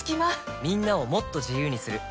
みんなをもっと自由にする「三菱冷蔵庫」